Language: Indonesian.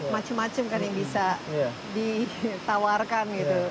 macem macem kali bisa ditawarkan gitu ke depan revisi untuk rangkung selatan ini